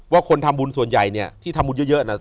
ว่าคนทำบุญส่วนใหญ่ที่ทำบุญเยอะ